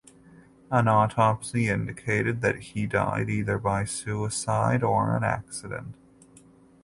An autopsy indicated that he died either by suicide or an accident.